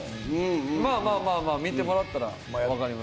まあまあまあまあ見てもらったらわかります。